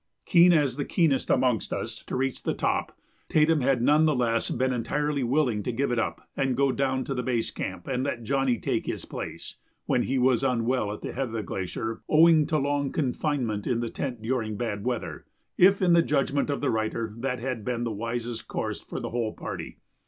Keen as the keenest amongst us to reach the top, Tatum had none the less been entirely willing to give it up and go down to the base camp and let Johnny take his place (when he was unwell at the head of the glacier owing to long confinement in the tent during bad weather), if in the judgment of the writer that had been the wisest course for the whole party.